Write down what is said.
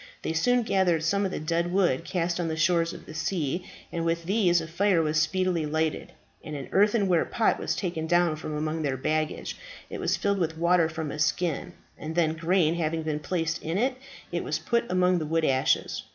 They soon gathered some of the dead wood cast on the shores of the sea, and with these a fire was speedily lighted, and an earthenware pot was taken down from among their baggage: it was filled with water from a skin, and then grain having been placed in it, it was put among the wood ashes.